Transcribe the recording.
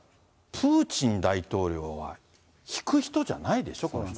プーチン大統領は引く人じゃないでしょ、この人。